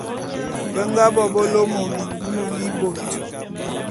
Be nga bo be lômôk mingum mi bôt.